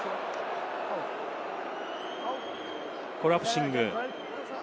コラプシング。